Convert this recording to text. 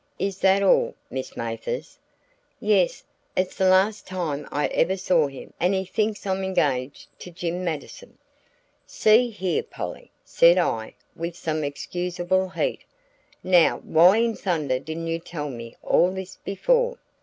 Is that all, Miss Mathers?" "Yes; it's the last time I ever saw him and he thinks I'm engaged to Jim Mattison." "See here, Polly," said I with some excusable heat, "now why in thunder didn't you tell me all this before?"